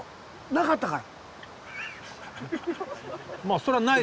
なかったから。